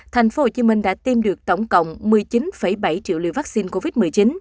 tp hcm đã tiêm được tổng cộng một mươi chín bảy triệu liều vaccine covid một mươi chín